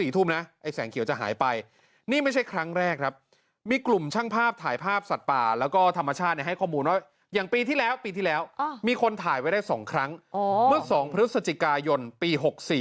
ถ่ายไว้ได้๒ครั้งเมื่อ๒พฤศจิกายนปี๖๔